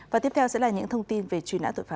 và tiếp theo sẽ là những thông tin về truy nã tội phạm